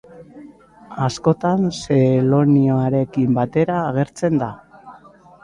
Askotan Seloniarekin batera agertzen da.